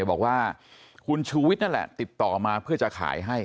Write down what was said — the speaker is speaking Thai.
บอกว่าคุณชูวิทย์นั่นแหละติดต่อมาเพื่อจะขายให้